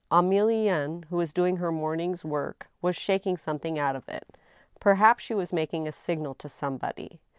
Emilienne, who was doing her morning's work, was shaking something out of it. Per haps she was making a signal to somebody.